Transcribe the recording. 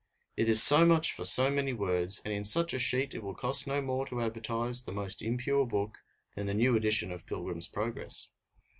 It is so much for so many words, and in such a sheet it will cost no more to advertise the most impure book than the new edition of Pilgrim's Progress.